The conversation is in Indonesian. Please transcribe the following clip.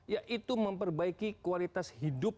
ya itu memperbaiki kualitas hidup